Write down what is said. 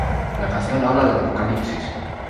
La canción habla del apocalipsis.